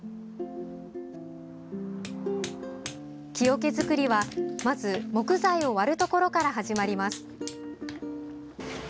木おけ作りは、まず木材を割るところから始まります。